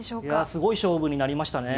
すごい勝負になりましたね。